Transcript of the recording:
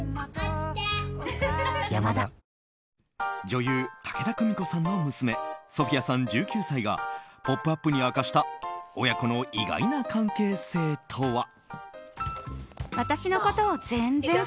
女優・武田久美子さんの娘ソフィアさん、１９歳が「ポップＵＰ！」に明かした親子の意外な関係性とは。